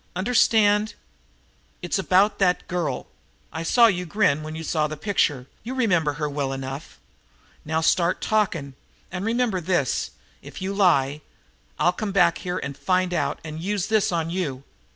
Understand? It's about that girl. I saw you grin when you saw the picture; you remember her well enough. Now start talking, and remember this, if you lie, I'll come back here and find out and use this on you."